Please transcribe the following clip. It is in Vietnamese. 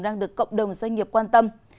đang được cộng đồng doanh nghiệp quan tâm